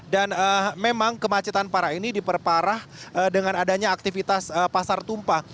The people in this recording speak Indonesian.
memang kemacetan parah ini diperparah dengan adanya aktivitas pasar tumpah